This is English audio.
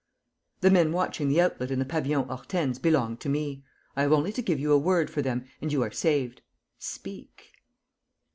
"The men watching the outlet in the Pavillon Hortense belong to me. I have only to give you a word for them and you are saved. Speak!"